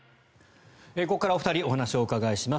ここからはお二人にお話をお伺いします。